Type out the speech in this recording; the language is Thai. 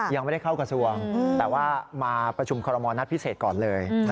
ยังไม่ได้เข้ากระทรวงแต่ว่ามาประชุมคอลโมนัดพิเศษก่อนเลย